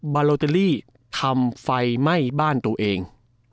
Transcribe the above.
บาโลเตอรี่ทำไฟไหม้บ้านตัวเอง